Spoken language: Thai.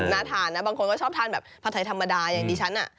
น่าทานนะบางคนก็ชอบทานแบบผัดไทยธรรมดาอย่างดิฉัน